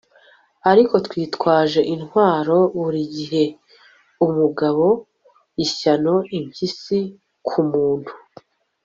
ariko twitwaje intwaro burigihe umugabo, ishyano! impyisi kumuntu